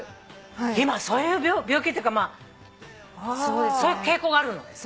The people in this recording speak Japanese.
今そういう病気っていうかそういう傾向があるの？